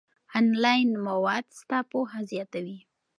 آنلاین مواد ستا پوهه زیاتوي.